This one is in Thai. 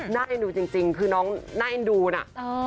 เอ็นดูจริงคือน้องน่าเอ็นดูน่ะ